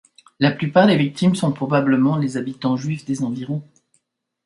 La plupart des victimes sont probablement les habitants juifs des environs.